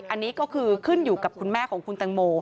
อันนี้ก็คือขึ้นอยู่กับคุณแม่ของคุณตังโม